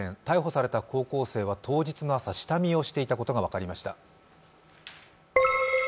逮捕された高校生は当日の朝、下見をしていたことがわかりました。